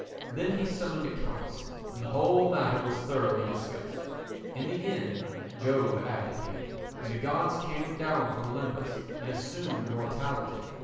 Then he summoned a council and the whole matter was thoroughly discussed. In the end Jove abdicated, and the gods came down from Olympus and assumed mortality.